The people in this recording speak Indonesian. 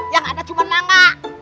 yang ada cuma nangak